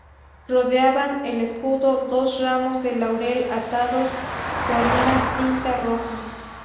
Rodeaban el escudo dos ramos de laurel atados por una cinta roja.